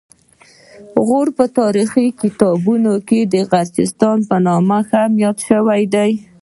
غور په تاریخي کتابونو کې د غرجستان په نوم هم یاد شوی دی